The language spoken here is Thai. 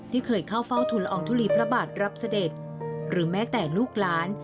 ที่เคยเข้าเฝ้าทุนละอองทุลีพระบาทรับเสด็จหรือแม้แต่ลูกหลาน